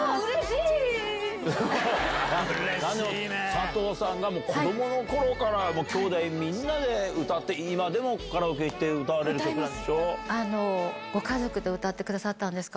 佐藤さん、子どものころからもうきょうだいみんなで歌って、今でもカラオケ行って歌われる歌歌います。